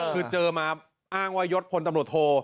คือเจอมาอ้างว่ายศพลตำรวจโท